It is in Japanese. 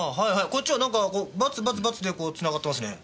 こっちは何かこうバツバツバツでこうつながってますね。